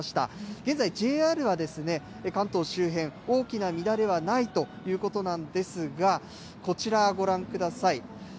現在ＪＲは関東周辺、大きな乱れはないということなんですが、こちら、ご覧ください。